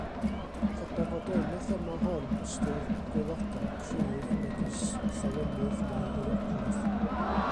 Credaf fod yn y thema hon ystyr gwaelodol cryf megis llawenydd neu euogrwydd.